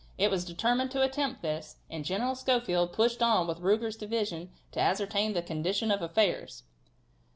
It was determined to attempt this, and General Schofield pushed on with Ruger's division to ascertain the condition of affairs."